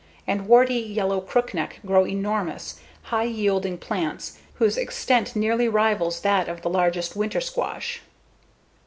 and warty Yellow Crookneck grow enormous, high yielding plants whose extent nearly rivals that of the largest winter squash.